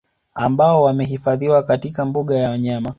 Ambao wamehifadhiwa katika mbuga ya wanyama